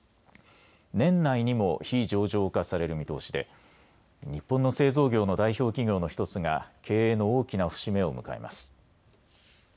年内にも非上場化される見通しで日本の製造業の代表企業の１つが経営の大きな節目を迎えます。